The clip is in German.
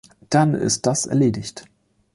Dann ist das erledigt.